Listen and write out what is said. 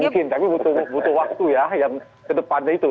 mungkin tapi butuh waktu ya yang kedepannya itu